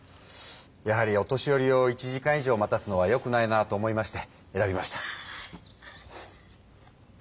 やはりお年寄りを１時間以上待たすのはよくないなと思いまして選びました。